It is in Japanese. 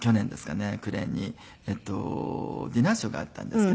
暮れにディナーショーがあったんですけど。